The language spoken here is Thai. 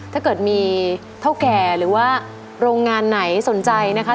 ถ้าเกิดมีเท่าแก่หรือว่าโรงงานไหนสนใจนะคะ